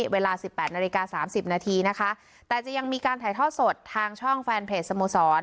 เวลาสิบแปดนาฬิกา๓๐นาทีนะคะแต่จะยังมีการถ่ายทอดสดทางช่องแฟนเพจสโมสร